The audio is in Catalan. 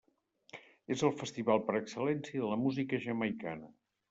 És el festival per excel·lència de la música jamaicana.